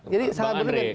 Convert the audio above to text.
jadi sangat berlebihan